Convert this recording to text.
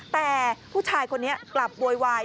แต่ผู้ชายคนนี้กลับโวยวาย